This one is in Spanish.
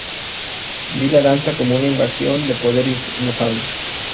Vi la danza como una visión de poder inefable.